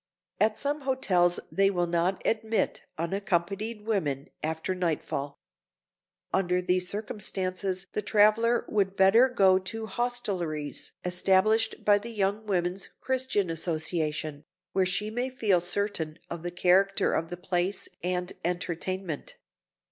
At some hotels they will not admit unaccompanied women after nightfall. Under these circumstances the traveler would better go to the hostelries established by the Young Women's Christian Association, where she may feel certain of the character of the place and entertainment.